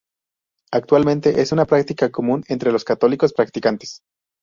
Actualmente es una práctica común entre los católicos practicantes.